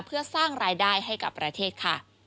เพื่อสร้างรายได้ให้กับประเทศค่ะ